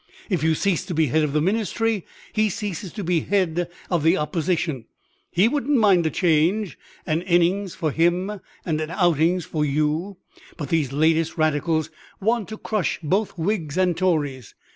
If you cease to be head of the ministry, he ceases to be head of the opposition; he wouldn't mind a change, an innings for him and an outings for you; but these latest radicals want to crush both Whigs and Tories.